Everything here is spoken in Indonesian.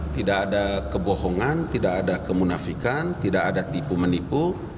tidak ada kebohongan tidak ada kemunafikan tidak ada tipu menipu